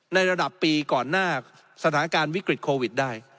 ในระดับปีก่อนหน้าสถานการณ์วิกฤตโควิดได้